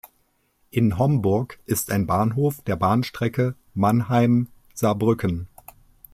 In Homburg ist ein Bahnhof der Bahnstrecke Mannheim–Saarbrücken.